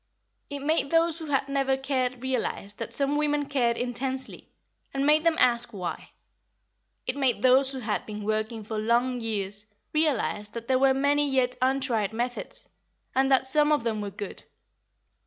It made those who had never cared realise that some women cared intensely, and made them ask why. It made those who had been working for long years realise that there were many yet untried methods, and that some of them were good.